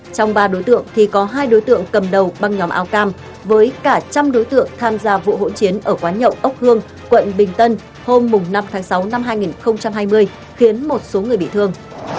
trong ba đối tượng thì có hai đối tượng cầm đầu băng nhóm áo cam với cả trăm đối tượng tham gia vụ hỗn chiến ở quán nhậu ốc hương quận bình tân hôm năm tháng sáu năm hai nghìn hai mươi khiến một số người bị thương